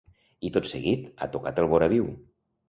I tot seguit, ha tocat el voraviu.